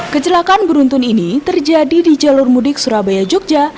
kecelakaan beruntun ini terjadi di jalur mudik surabaya jogja